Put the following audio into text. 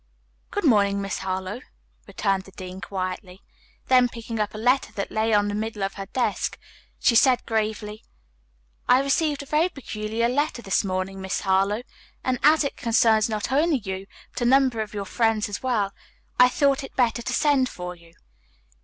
"Good morning, Miss Harlowe," returned the dean quietly. Then picking up a letter that lay on the middle of her desk, she said gravely: "I received a very peculiar letter this morning, Miss Harlowe, and as it concerns not only you, but a number of your friends as well, I thought it better to send for you.